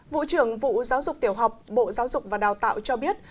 vụ trưởng vụ giáo dục tiểu học bộ giáo dục và đào tạo cho biết